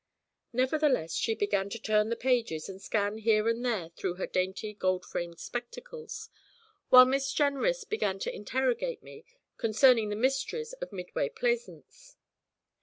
Nevertheless, she began to turn the pages and to scan here and there through her dainty gold framed spectacles, while Miss Jenrys began to interrogate me concerning the mysteries of Midway Plaisance.